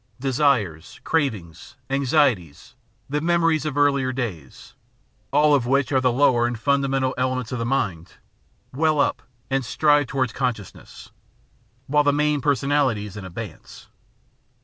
Desires, cravings, anxieties, the memories of earlier days, all of which are the lower and fundamental elements of the mind, weU up and strive towards conscious ness, while the main personality is in abeyance.